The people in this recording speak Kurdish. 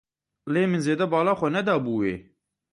Lê min zêde bala xwe nedabû wê.